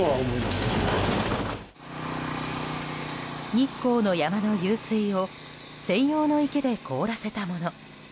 日光の山の湧水を専用の池で凍らせたもの。